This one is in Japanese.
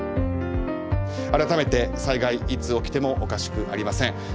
改めて災害いつ起きてもおかしくありません。